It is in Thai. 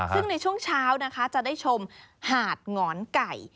ซึ่งในช่วงเช้านะคะจะได้ชมหาดหงอนไก่